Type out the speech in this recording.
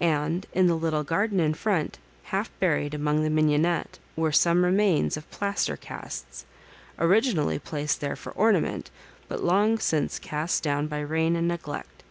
And in the little garden in front, half buried among the mignonetle, were some remains of plaster casts, originally placed there for orna ment, but long since cast down by rain and neglect.